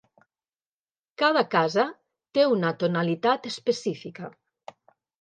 Cada casa té una tonalitat específica.